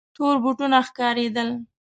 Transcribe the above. تور بوټونه ښکارېدل.